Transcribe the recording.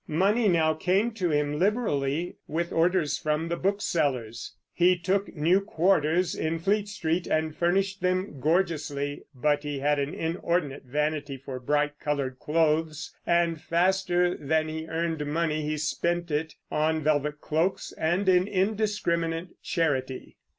Money now came to him liberally, with orders from the booksellers; he took new quarters in Fleet Street and furnished them gorgeously; but he had an inordinate vanity for bright colored clothes, and faster than he earned money he spent it on velvet cloaks and in indiscriminate charity.